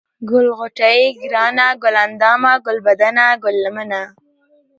ګل غوټۍ ، گرانه ، گل اندامه ، گلبدنه ، گل لمنه ،